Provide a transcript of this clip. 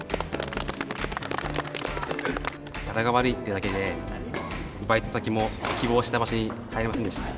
柄が悪いってだけでバイト先も希望した場所に入れませんでした。